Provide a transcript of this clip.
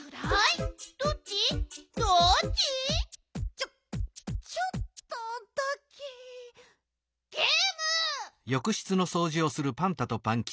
ちょっちょっとだけゲーム！